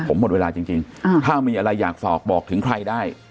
ผมหมดเวลาจริงถ้ามีอะไรอยากฝากบอกถึงใครได้